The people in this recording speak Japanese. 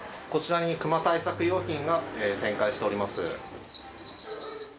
こちらにクマ対策用品が展開しております。